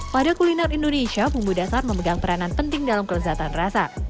pada kuliner indonesia bumbu dasar memegang peranan penting dalam kelezatan rasa